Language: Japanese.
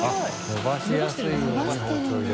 伸ばしやすいように包丁入れるんだ。